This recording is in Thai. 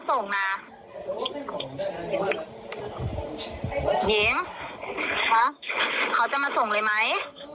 ตาหนูมาส่งเลย